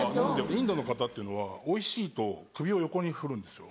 インドの方っていうのはおいしいと首を横に振るんですよ。